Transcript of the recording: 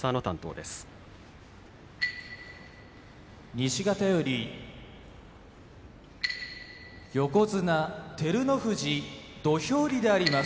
西方より横綱照ノ富士土俵入りであります。